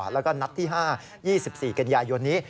แล้วก็นัดที่๕๒๔กันยายนนี้